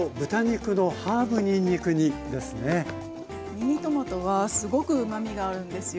ミニトマトはすごくうまみがあるんですよ。